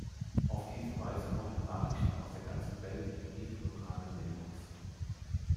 Auf diese Weise kommen Nachrichten aus der ganzen Welt in jede lokale Mailbox.